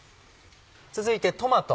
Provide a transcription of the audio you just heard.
続いてトマト